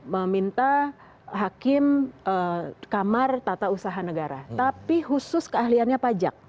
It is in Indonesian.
meminta hakim kamar tata usaha negara tapi khusus keahliannya pajak